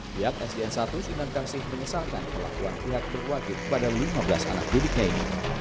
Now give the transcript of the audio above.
pihak sdn satu sindang kasih menyesalkan perlakuan pihak berwakil pada lima belas anak budiknya ini